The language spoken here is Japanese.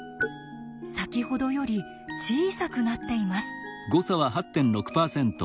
先ほどより小さくなっています。